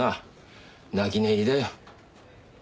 泣き寝入りだよ。